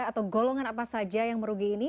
atau golongan apa saja yang merugi ini